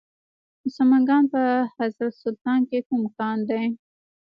د سمنګان په حضرت سلطان کې کوم کان دی؟